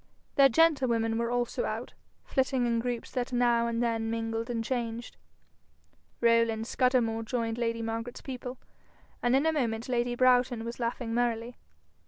Their gentlewomen were also out, flitting in groups that now and then mingled and changed. Rowland Scudamore joined lady Margaret's people, and in a moment lady Broughton was laughing merrily.